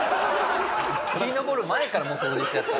日昇る前からもう掃除しちゃって。